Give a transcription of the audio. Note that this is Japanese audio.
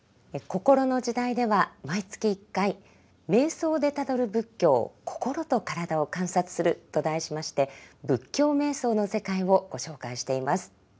「こころの時代」では毎月１回「瞑想でたどる仏教心と身体を観察する」と題しまして仏教瞑想の世界をご紹介しています。